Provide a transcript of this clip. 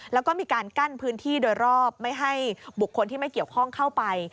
แล้วก็มีการกั้นพื้นที่โดยรอบไม่ให้บุคคลที่ไม่เกี่ยวข้องเข้าไป